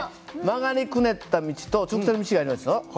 曲がりくねった道と直線の道がありますね。